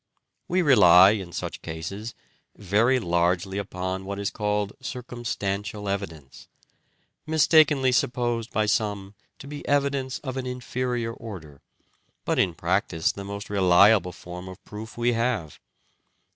We rely, in such cases, very largely upon what is called circumstantial evidence ; mistakenly supposed by some to be evidence of an inferior order, but in practice the most reliable form of proof we have.